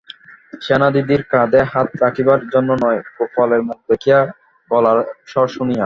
সেনদিদির কাধে হাত রাখিবার জন্য নয়, গোপালের মুখ দেখিয়া, গলার স্বর শুনিয়া।